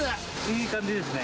いい感じですね。